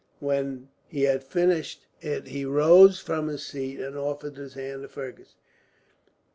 When he had finished it, he rose from his seat and offered his hand to Fergus.